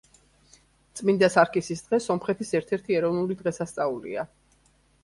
წმინდა სარქისის დღე სომხეთის ერთ-ერთი ეროვნული დღესასწაულია.